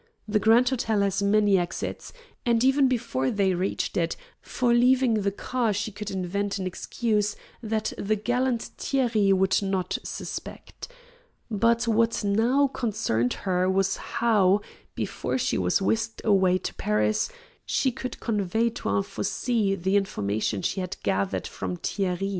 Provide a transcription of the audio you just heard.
The Grand Hôtel has many exits, and, even before they reached it, for leaving the car she could invent an excuse that the gallant Thierry would not suspect. But what now concerned her was how, before she was whisked away to Paris, she could convey to Anfossi the information she had gathered from Thierry.